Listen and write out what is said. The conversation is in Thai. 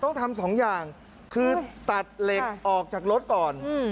ต้องทำสองอย่างคือตัดเหล็กออกจากรถก่อน